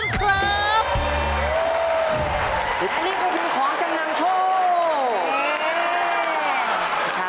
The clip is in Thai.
อันนี้ก็คือของจำนำโชค